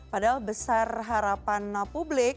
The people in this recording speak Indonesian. padahal besar harapan publik